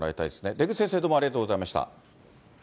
出口先生、どうもありがとうございました。